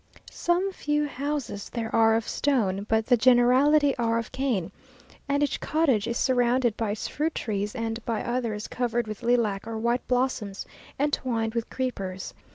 Some few houses there are of stone, but the generality are of cane, and each cottage is surrounded by its fruit trees, and by others covered with lilac or white blossoms, and twined with creepers.